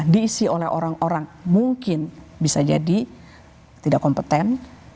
diisi oleh orang orang mungkin bisa jadi tidak kompeten